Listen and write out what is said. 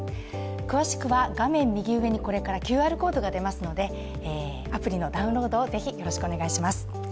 詳しくは画面右上にこれからＱＲコードが出ますのでアプリのダウンロードを是非、よろしくお願いします。